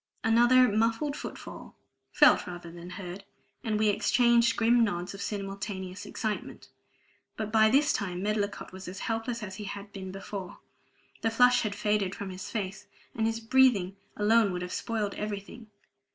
Another muffled foot fall felt rather than heard and we exchanged grim nods of simultaneous excitement. But by this time Medlicott was as helpless as he had been before; the flush had faded from his face, and his breathing alone would have spoiled everything.